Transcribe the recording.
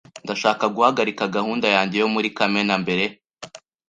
Ndashaka guhagarika gahunda yanjye yo muri Kamena mbere.